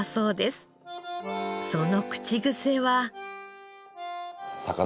その口癖は。